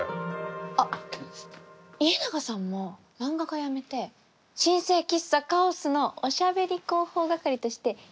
あっ家長さんも漫画家やめて新生喫茶カオスのおしゃべり広報係として一緒に働きませんか？